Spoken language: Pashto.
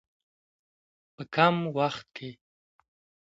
په کم وخت کې.